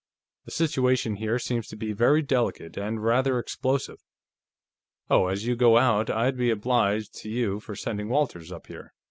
"The situation here seems to be very delicate, and rather explosive.... Oh, as you go out, I'd be obliged to you for sending Walters up here.